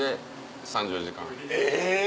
え